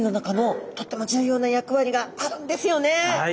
はい。